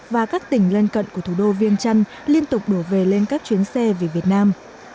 và các tỉnh lân cận của thủ đô viêng trăn liên tục đổ về lên các chuyến xe về việt nam